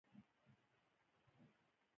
او وهمونه سر پر سر وو